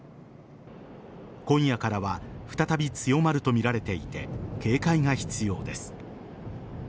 今夜からは再び強まるとみられていて警戒が必要です。